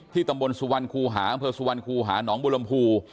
ที่ตำบลสุวรรค์ครูหาสุวรรค์ครูหานองบูรรมภู